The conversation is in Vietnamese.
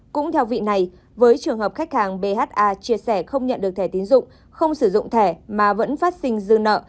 cũng theo vị này với trường hợp khách hàng bha chia sẻ không nhận được thẻ tiến dụng không sử dụng thẻ mà vẫn phát sinh dư nợ